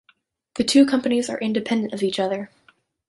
The two companies are independent of each other.